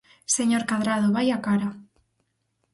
Señor Cadrado, ¡vaia cara!